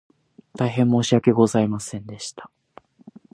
大変申し訳ございませんでした